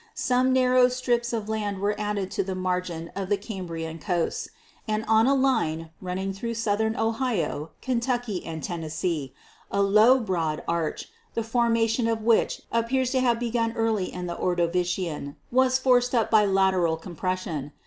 Some narrow strips of land were added to the margin of the Cambrian coasts, and on a line running through southern Ohio, Ken tucky and Tennessee a low, broad arch, the formation of which appears to have begun early in the Ordovician, was 214 GEOLOGY forced tip by lateral compression.